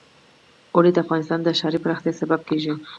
اوړي د افغانستان د ښاري پراختیا سبب کېږي.